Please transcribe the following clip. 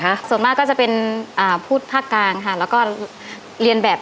ค่ะส่วนมากก็จะเป็นอ่าพูดภาคกลางค่ะแล้วก็เรียนแบบ